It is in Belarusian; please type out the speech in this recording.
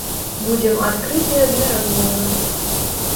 Будзем адкрытыя для размовы.